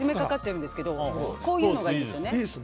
こういうのがいいですよね。